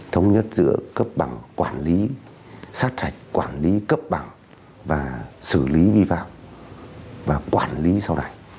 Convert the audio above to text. thống nhất giữa cấp bằng quản lý sát hạch quản lý cấp bằng và xử lý vi phạm và quản lý sau này